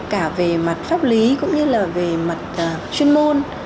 cả về mặt pháp lý cũng như là về mặt chuyên môn